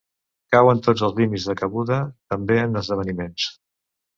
Cauen tots els límits de cabuda, també en esdeveniments.